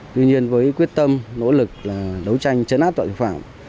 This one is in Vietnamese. tuy nhiên với quyết tâm nỗ lực đấu tranh chấn áp tội phạm